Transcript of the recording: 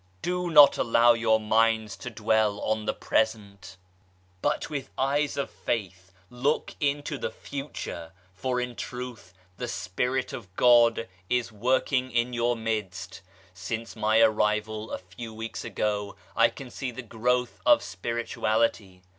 Do not allow your minds to dwell on the present, 158 THE LAST MEETING but with eyes of faith look into the future, for in truth the Spirit of God is working in your midst. Since my arrival a few weeks ago, I can see the growth of Spirituality.